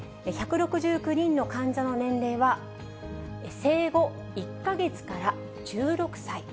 １６９人の患者の年齢は、生後１か月から１６歳。